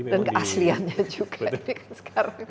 dan keasliannya juga ini kan sekarang